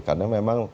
karena memang berarti